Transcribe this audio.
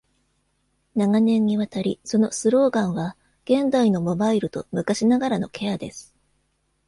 長年にわたり、そのスローガンは「現代のモバイルと昔ながらのケアです。